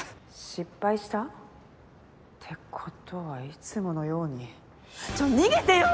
失敗したってことはいつものように逃げてよ！